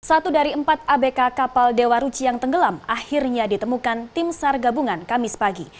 satu dari empat abk kapal dewa ruci yang tenggelam akhirnya ditemukan tim sar gabungan kamis pagi